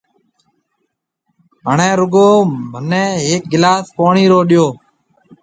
هڻيَ رُگو مهنَي هيڪ گلاس پوڻِي رو ڏيو۔